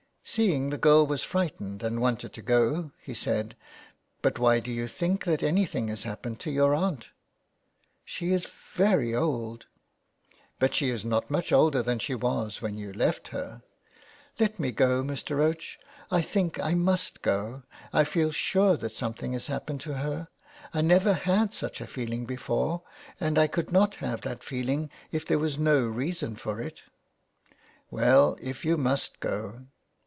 Seeing the girl was fright ened and wanted to go, he said —'' But why do you think that anything has happened to your aunt ?"" She is very old." But she is not much older than she was when you left her." " Let me go, Mr. Roche ; I think I must go. I feel sure that something has happened to her. I never had such a feeling before, and I could not have that feeling if there was no reason for it." " Well, if you must go.''